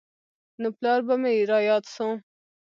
نو پلار به مې راياد سو.